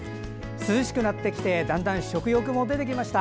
涼しくなってきてだんだん食欲も出てきました。